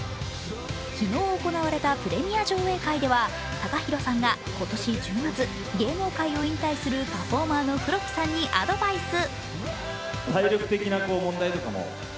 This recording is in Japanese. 昨日行われたプレミア上映会では、ＴＡＫＡＨＩＲＯさんが今年１０月、芸能界を引退するパフォーマーの黒木さんにアドバイス。